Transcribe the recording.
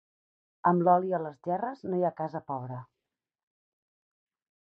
Amb oli a les gerres no hi ha casa pobra.